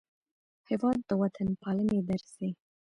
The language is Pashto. هېواد د وطنپالنې درس دی.